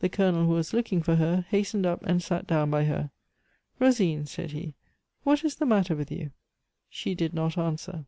The Colonel, who was looking for her, hastened up and sat down by her. "Rosine," said he, "what is the matter with you?" She did not answer.